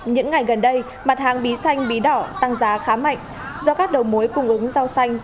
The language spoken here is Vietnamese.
những ngày gần đây mặt hàng bí xanh bí đỏ tăng giá khá mạnh do các đầu mối cung ứng rau xanh